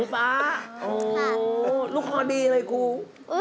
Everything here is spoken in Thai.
เป็นลูกคอดีเลยคุณ